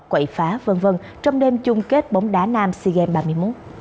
quậy phá v v trong đêm chung kết bóng đá nam seagame ba mươi một